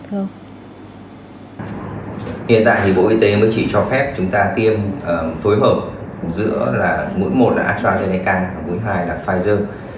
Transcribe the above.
hiện tại thì bộ y tế mới chỉ cho phép chúng ta tiêm phối hợp giữa là mũi một là appraca và mũi hai là pfizer